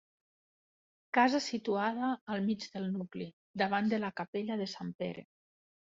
Casa situada al mig del nucli, davant de la capella de Sant Pere.